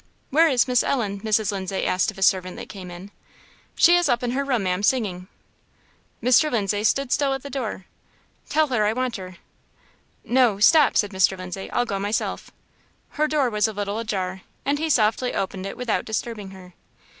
"Where is Miss Ellen?" Mrs. Lindsay asked of a servant that came in. "She is up in her room, Ma'am, singing." "Mr. Lindsay stood still at the door." "Tell her I want her." "No stop," said Mr. Lindsay;"I'll go myself." Her door was a little ajar, and he softly opened it without disturbing her.